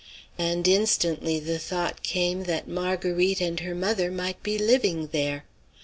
And instantly the thought came that Marguerite and her mother might be living there.